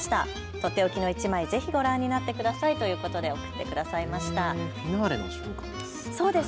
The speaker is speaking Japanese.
とっておきの１枚、ぜひご覧になってくださいということで送ってくださいました。